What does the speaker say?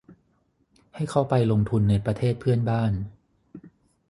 ให้เข้าไปลงทุนในประเทศเพื่อนบ้าน